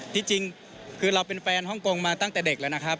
ที่จริงคือเราเป็นแฟนฮ่องกงมาตั้งแต่เด็กแล้วนะครับ